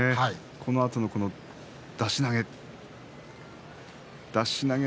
このあとの出し投げ。